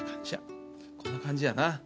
こんな感じやな。